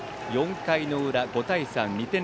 ４回の裏、５対３２点